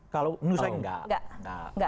kalau menurut saya nggak